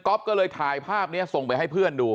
ก็เลยถ่ายภาพนี้ส่งไปให้เพื่อนดู